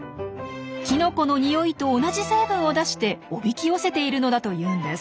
きのこの匂いと同じ成分を出しておびき寄せているのだというんです。